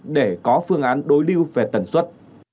để có phương án đối lưu về tần suất